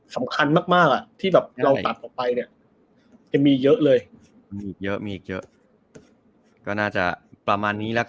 สำคัญมากมากอ่ะที่แบบเราตัดออกไปเนี่ยจะมีเยอะเลยมีอีกเยอะมีอีกเยอะก็น่าจะประมาณนี้แล้ว